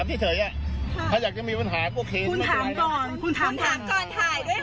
ไม่ใช่แหละคุณที่เขาแดดคลิปทั้งหมดเครื่องทำอะไรกันฮะ